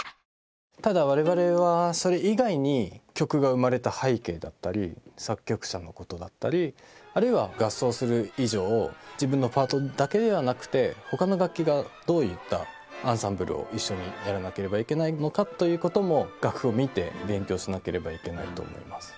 ただ我々はそれ以外に曲が生まれた背景だったり作曲者のことだったりあるいは合奏する以上自分のパートだけではなくて他の楽器がどういったアンサンブルを一緒にやらなければいけないのかということも楽譜を見て勉強しなければいけないと思います。